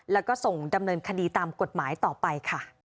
แล้วก็ส่งดำเนินคดีตามกฎหมายต่อไปค่ะ